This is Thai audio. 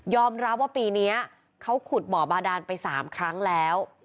รับว่าปีนี้เขาขุดบ่อบาดานไป๓ครั้งแล้ว